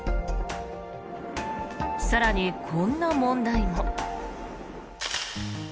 更に、こんな問題も。